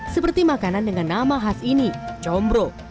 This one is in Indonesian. seperti makanan dengan nama khas ini combro